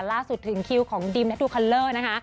ล่าสุดถึงคิวของดิมดูคัลเลอร์นะคะ